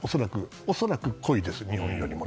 恐らく濃いです、日本よりも。